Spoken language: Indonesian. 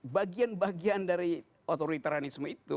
bagian bagian dari otoriteranisme itu